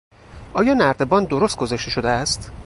آیا نردبان درست گذاشته شده است؟